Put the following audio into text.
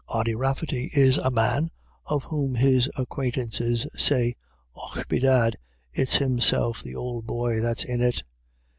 Ody Rafferty is a man of whom his acquaint ances say :" Och, bedad, it's himself s the ould boys that's in it."